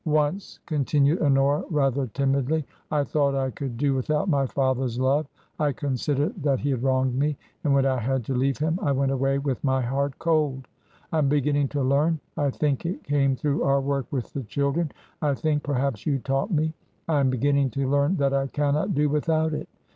" Once," continued Honora, rather timidly, " I thought I could do without my father's love. I considered that he had wronged me ; and when I had to leave him I went away with my heart cold. I am beginning to learn — I think it came through our work with the children ; I think perhaps you taught me — I am beginning to learn that I cannot do without it.